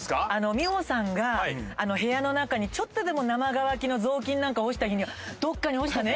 美穂さんが部屋の中にちょっとでも生乾きの雑巾なんか干した日には「どっかに干したね？